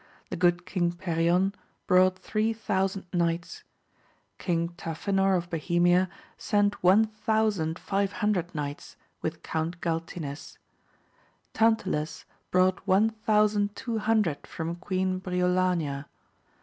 The good King Perion brought three ' thousand knights. King Tafinor of Bohemia sent one thousand five hundred knights with Count Graltines. AMADIS OF GAUL. U9 Tantiles brought one thousand two hundred from Queen Briolania.